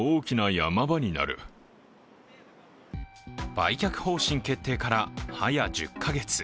売却方針決定から、はや１０か月。